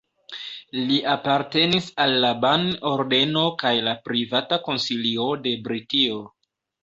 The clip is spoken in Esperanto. Li apartenis al la Ban-ordeno kaj la Privata Konsilio de Britio.